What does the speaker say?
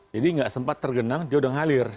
jadi nggak sempat tergenang dia udah ngalir